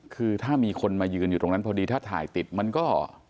คือถ้ามีคนมายืนอยู่ตรงนั้นพอดีถ้าถ่ายติดมันก็